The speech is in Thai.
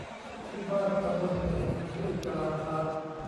มีบ้านตำบลหนึ่ง ชื่อกลันทะ